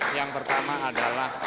yang pertama adalah